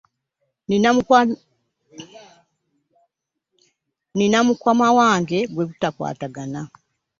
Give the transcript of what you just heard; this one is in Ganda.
Nnina mukama wange bwe tutakwatagana.